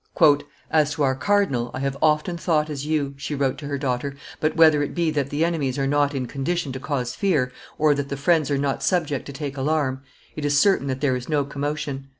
"As to our cardinal, I have often thought as you," she wrote to her daughter; "but, whether it be that the enemies are not in a condition to cause fear, or that the friends are not subject to take alarm, it is certain that there is no commotion.